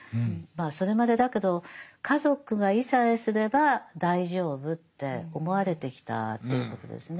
それまでだけど家族がいさえすれば大丈夫って思われてきたということですね。